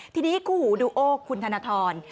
ทีนี้คู่หูดูโอคุณธนทร